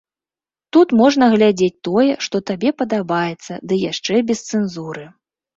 Тут можна глядзець тое, што табе падабаецца, ды яшчэ без цэнзуры.